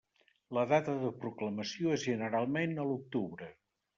La data de proclamació és generalment a l'octubre.